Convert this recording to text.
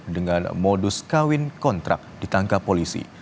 dengan modus kawin kontrak ditangkap polisi